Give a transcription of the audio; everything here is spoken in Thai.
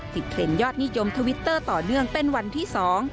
เทรนด์ยอดนิยมทวิตเตอร์ต่อเนื่องเป็นวันที่สอง